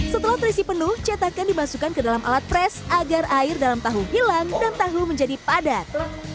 setelah terisi penuh cetakan dimasukkan ke dalam alat pres agar air dalam tahu hilang dan tahu menjadi padat